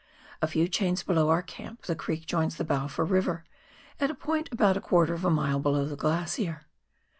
A iew chains below our camp the creek joins the Balfour River, at a point about a quarter of a mile below the glacier.